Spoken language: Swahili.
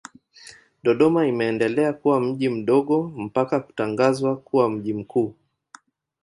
Dodoma imeendelea kuwa mji mdogo mpaka kutangazwa kuwa mji mkuu.